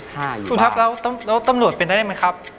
คุณทักแล้วแล้วตำรวจเป็นไปได้ไหมครับ